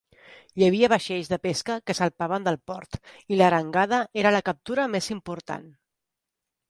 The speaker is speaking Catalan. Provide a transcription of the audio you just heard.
Hi havia vaixells de pesca que salpaven del port i l'arengada era la captura més important.